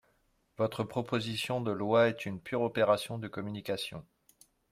Votre proposition de loi est une pure opération de communication.